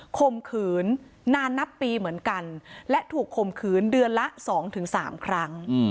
ข่มขืนนานนับปีเหมือนกันและถูกข่มขืนเดือนละ๒๓ครั้ง